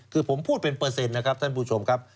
คือผมพูดเป็นเปอร์เซ็นต์นะครับท่านผู้ชมครับ